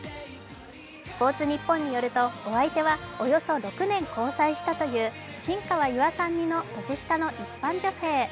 「スポーツニッポン」によると、お相手はおよそ６年交際したという新川優愛さん似の年下の一般女性。